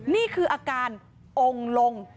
นี่คืออาการองค์ลง